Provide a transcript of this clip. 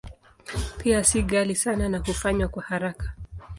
Pia si ghali sana na hufanywa kwa haraka.